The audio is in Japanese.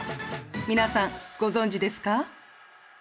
皆さんご存じですか？